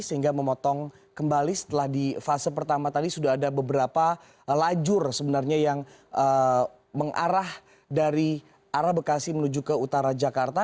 sehingga memotong kembali setelah di fase pertama tadi sudah ada beberapa lajur sebenarnya yang mengarah dari arah bekasi menuju ke utara jakarta